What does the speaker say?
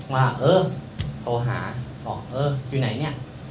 ว่าเออโทรหาบอกเอออยู่ไหนเนี่ย